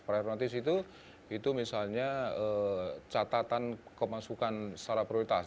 prior notice itu misalnya catatan kemasukan secara prioritas